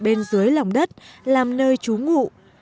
bên dưới lòng đất làm nơi trú ngủ